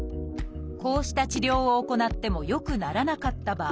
こうした治療を行っても良くならなかった場合